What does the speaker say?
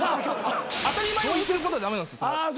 当たり前を言ってることが駄目なんですよ。